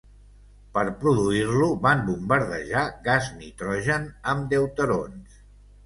Per produir-lo, van bombardejar gas nitrogen amb deuterons.